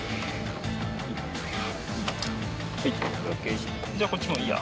はいじゃあこっちもいいや。